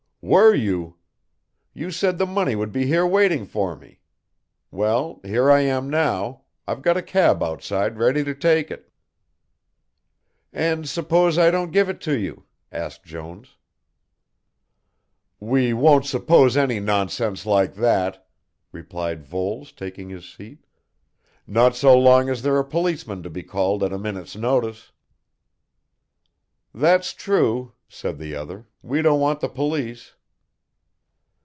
"Were you? You said the money would be here waiting for me well, here I am now, I've got a cab outside ready to take it." "And suppose I don't give it to you?" asked Jones. "We won't suppose any nonsense like that!" replied Voles taking his seat, "not so long as there are policemen to be called at a minute's notice." "That's true," said the other, "we don't want the police."